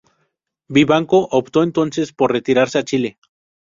Vivanco optó entonces por retirarse a Chile.